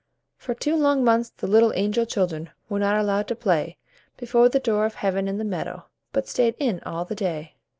For two long months the little angel children Were not allowed to play Before the door of Heaven in the meadow, But stayed in all the day.